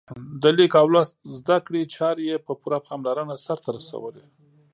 د لیک او لوست زده کړې چارې یې په پوره پاملرنه سرته رسولې.